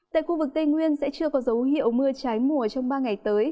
tại khu vực tây nguyên sẽ chưa có dấu hiệu mưa trái mùa trong ba ngày tới